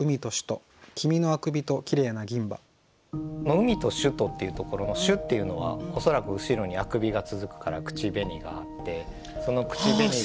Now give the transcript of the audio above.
「海と朱と」っていうところの「朱」っていうのは恐らく後ろに「あくび」が続くから口紅があってその口紅が。